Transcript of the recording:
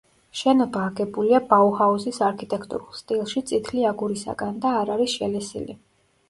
შენობა აგებულია ბაუჰაუზის არქიტექტურულ სტილში წითლი აგურისაგან და არ არის შელესილი.